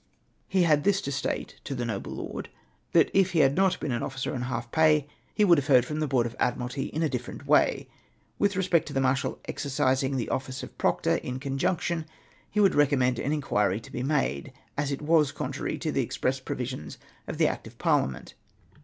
He had this to state to the noble lord, that if he had not been an officer on half pay he would have heard from the Board of Admiralty in a different way. With respect to the marshal exercising the office of proctor, in conjunction, he would recommend an inquiry to be made, as it was contrary to the express provisions of the Act of Par liament.